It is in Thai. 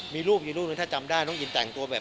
มีรูปลูกถ้าจำได้มันแต่งตัวแบบ